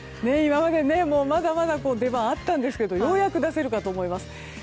今まで、まだまだ出番があったんですがようやく出せるかと思います。